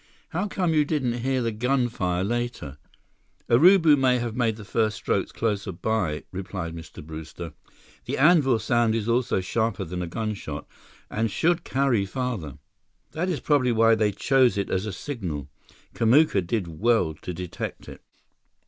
How come you didn't hear the gunfire later?" "Urubu may have made the first strokes closer by," replied Mr. Brewster. "The anvil sound is also sharper than a gunshot and should carry farther. That is probably why they chose it as a signal. Kamuka did well to detect it."